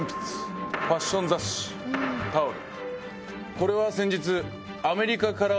これは先日。